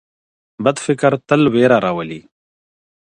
بد فکر تل وېره راولي